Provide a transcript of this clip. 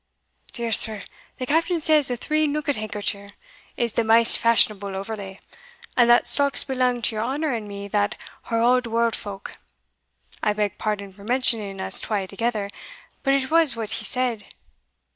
"Dear sir, the Captain says a three nookit hankercher is the maist fashionable overlay, and that stocks belang to your honour and me that are auld warld folk. I beg pardon for mentioning us twa thegither, but it was what he said."